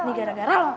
ini gara gara lo